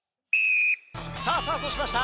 さぁスタートしました！